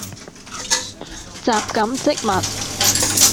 什錦漬物